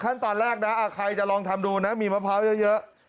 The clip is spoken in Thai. ขั้นตอนแรกนะใครจะลองทำดูนะมีมะพร้าวเยอะ